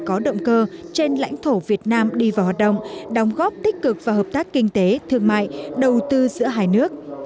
có động cơ trên lãnh thổ việt nam đi vào hoạt động đóng góp tích cực và hợp tác kinh tế thương mại đầu tư giữa hai nước